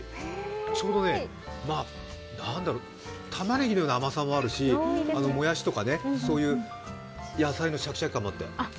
ちょうど玉ねぎのような甘さもあるし、もやしとか、そういう野菜のシャキシャキ感もあって。